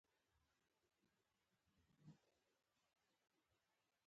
د نېکمرغه لوی اختر د رارسېدو .